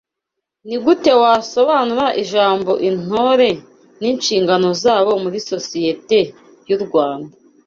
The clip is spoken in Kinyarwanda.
Nigute wasobanura ijambo intore ninshingano zabo muri societe yu Rwanda